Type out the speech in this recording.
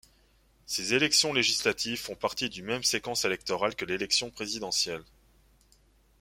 Ces élections législatives font partie d'une même séquence électorale que l'élection présidentielle.